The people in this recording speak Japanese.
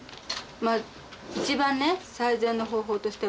まあ一番ね最善の方法としてはね